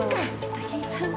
武井さん。